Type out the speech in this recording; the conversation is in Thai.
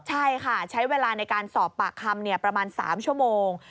ใช่ค่ะใช้เวลาในการสอบปากคำประมาณ๓ชั่วโมง